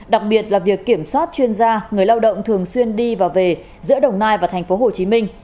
đặc biệt là việc kiểm soát chuyên gia người lao động thường xuyên đi và về giữa đồng nai và tp hcm